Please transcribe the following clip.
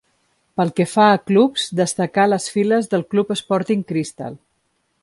Pel que fa a clubs, destacà a les files del club Sporting Cristal.